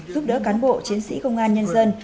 giúp đỡ cán bộ chiến sĩ công an nhân dân